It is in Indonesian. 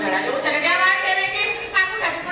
cek di arah cek di arah